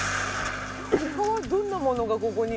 他はどんなものがここには？